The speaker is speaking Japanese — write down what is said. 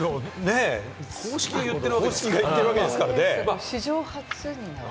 公式が言ってるわけですからね。